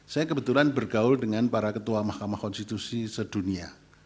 saya kebetulan bergaul dengan para ketua mahkamah konstitusi sedunia